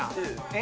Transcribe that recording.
え？